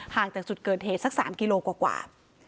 จากจุดเกิดเหตุสัก๓กิโลกว่า